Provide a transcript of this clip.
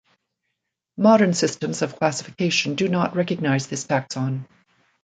Modern systems of classification do not recognize this taxon.